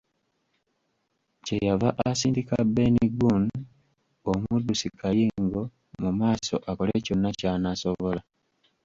Kyeyava asindika Ben Gunn, omuddusi kayingo, mu maaso, akole kyonna ky'anaasobola.